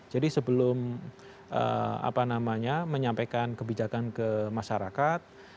jadi sebelum apa namanya menyampaikan kebijakan ke masyarakat